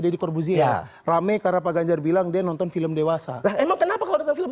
deddy korbuzia rame karena pak ganjar bilang dia nonton film dewasa emang kenapa kalau datang film